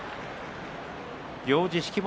行司式守